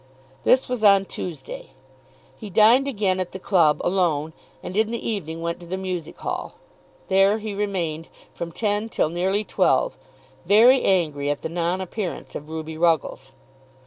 This was on Tuesday. He dined again at the club, alone, and in the evening went to the Music Hall. There he remained from ten till nearly twelve, very angry at the non appearance of Ruby Ruggles.